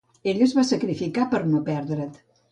Ell es va sacrificar per no perdre't.